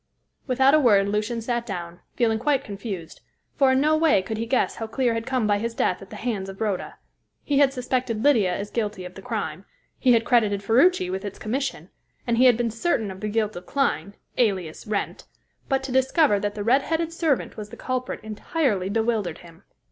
Without a word Lucian sat down, feeling quite confused, for in no way could he guess how Clear had come by his death at the hands of Rhoda. He had suspected Lydia as guilty of the crime; he had credited Ferruci with its commission, and he had been certain of the guilt of Clyne, alias Wrent; but to discover that the red headed servant was the culprit entirely bewildered him.